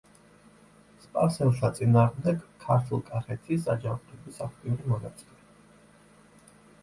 სპარსელთა წინააღმდეგ ქართლ-კახეთის აჯანყების აქტიური მონაწილე.